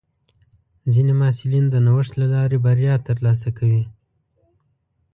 ځینې محصلین د نوښت له لارې بریا ترلاسه کوي.